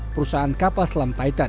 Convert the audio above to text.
perusahaan kapal selam titan